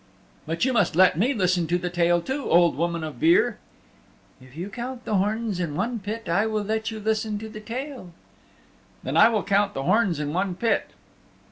"But you must let me listen to the tale too, Old Woman of Beare." "If you count the horns in one pit I will let you listen to the tale." "Then I will count the horns in one pit."